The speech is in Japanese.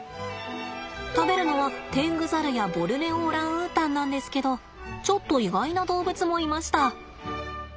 食べるのはテングザルやボルネオオランウータンなんですけどちょっと意外な動物もいました。